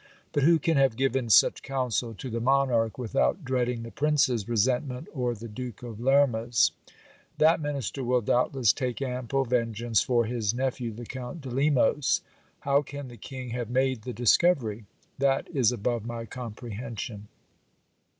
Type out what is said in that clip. But who can have given such counsel to the monarch, without dreading the prince's resentment or the Duke of Lerma's ? That minister will doubtless take ample vengeance for his nephew the Count de Lemos. How can the king have made the discovery? That is above my comprehension.